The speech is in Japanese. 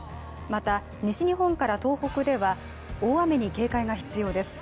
また西日本から東北では大雨に警戒が必要です